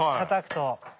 たたくと。